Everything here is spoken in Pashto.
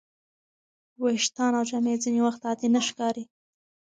ویښتان او جامې ځینې وخت عادي نه ښکاري.